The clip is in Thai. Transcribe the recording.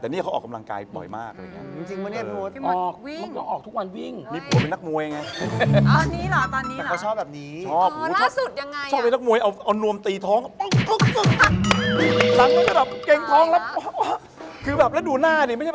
แต่นี่เขาออกกำลังกายบ่อยมากเลยกัน